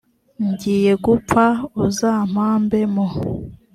ngiye gupfa. uzampambe mu